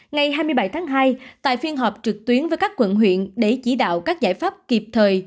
ngày hai mươi bảy tháng hai tại phiên họp trực tuyến với các quận huyện để chỉ đạo các giải pháp kịp thời